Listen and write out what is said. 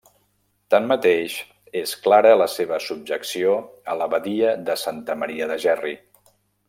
Tanmateix, és clara la seva subjecció a l'abadia de Santa Maria de Gerri.